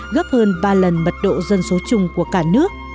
gấp hơn ba lần mật độ dân số chung của cả nước